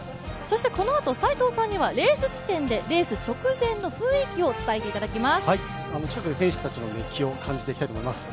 このあと斎藤さんにはレース地点でレース直前の雰囲気を伝えていただきます。